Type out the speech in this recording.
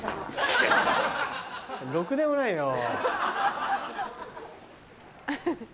ろくでもないなぁ。